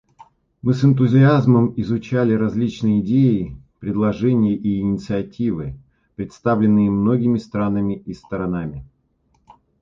Мы с энтузиазмом изучали различные идеи, предложения и инициативы, представленные многими странами и сторонами.